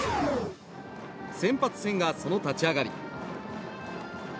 先発、千賀その立ち上がり。